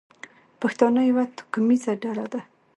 پښتانه یوه توکمیزه ډله ده.